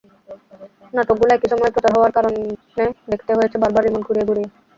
নাটকগুলো একই সময়ে প্রচার হওয়ার কারণে দেখতে হয়েছে বারবার রিমোট ঘুরিয়ে ঘুরিয়ে।